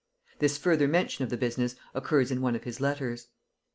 This further mention of the business occurs in one of his letters.